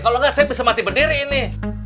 kalau enggak saya bisa mati berdiri ini